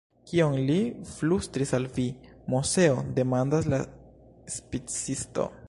Kion li flustris al vi, Moseo? demandas la spicisto.